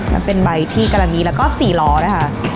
จะเป็นใบที่กระดานนี้แล้วก็สี่ล้อนะคะ